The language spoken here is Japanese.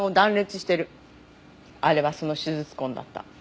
あれはその手術痕だった。